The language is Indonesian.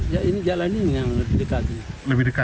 ya ini jalan ini yang lebih dekat